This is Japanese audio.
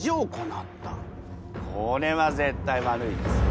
これは絶対悪いです。